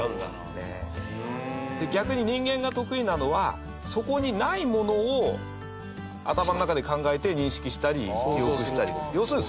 堤：逆に人間が得意なのはそこにないものを頭の中で考えて認識したり、記憶したりする。